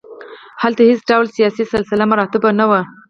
هلته هېڅ ډول سیاسي سلسله مراتب نه وو.